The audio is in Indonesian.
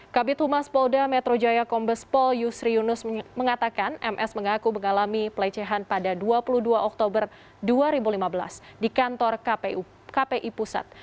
kabit humas polda metro jaya kombes pol yusri yunus mengatakan ms mengaku mengalami pelecehan pada dua puluh dua oktober dua ribu lima belas di kantor kpi pusat